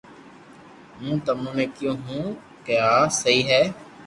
ھون تموني ڪيو ھون ڪا آ سھي ھي